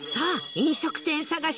飲食店探し。